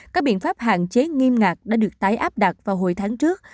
các biện pháp hạn chế nghiêm ngặt đã được tái áp đặt vào hồi tháng trước